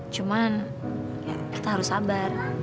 cuman ya kita harus sabar